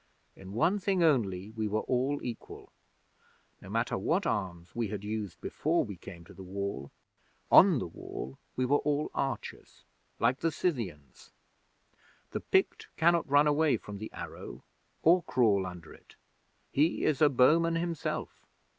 In one thing only we were all equal. No matter what arms we had used before we came to the Wall, on the Wall we were all archers, like the Scythians. The Pict cannot run away from the arrow, or crawl under it. He is a bowman himself.